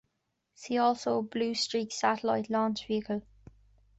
See also Blue Streak Satellite Launch Vehicle.